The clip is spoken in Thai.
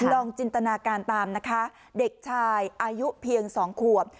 จินตนาการตามนะคะเด็กชายอายุเพียง๒ขวบ